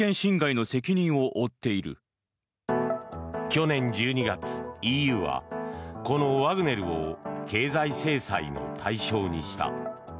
去年１２月、ＥＵはこのワグネルを経済制裁の対象にした。